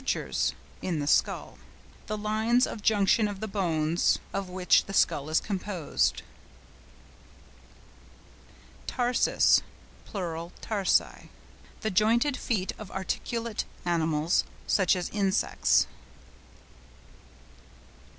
SUTURES (in the skull).—The lines of junction of the bones of which the skull is composed. TARSUS (pl. TARSI).—The jointed feet of articulate animals, such as insects.